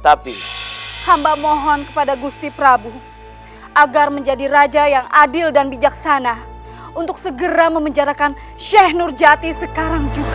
tapi hamba mohon kepada gusti prabu agar menjadi raja yang adil dan bijaksana untuk segera memenjarakan sheikh nurjati sekarang juga